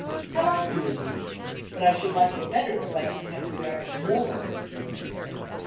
I like doing these, but I should like it better if I didn't have to drag a 'moral' into most of them.